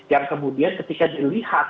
yang kemudian ketika dilihat